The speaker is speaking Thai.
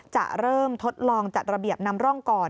จะเริ่มทดลองจัดระเบียบนำร่องก่อน